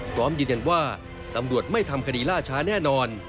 พร้อมยืนยันว่าตำรวจไม่ทำคดีล่าช้าแน่นอน